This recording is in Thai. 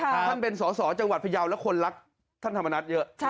ท่านเป็นสอสอจังหวัดพยาวและคนรักท่านธรรมนัฐเยอะ